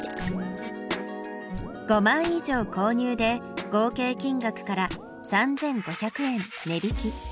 ５枚以上購入で合計金額から３５００円値引き。